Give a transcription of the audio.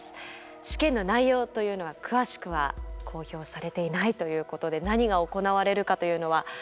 試験の内容というのは詳しくは公表されていないということで何が行われるかというのは分からないと。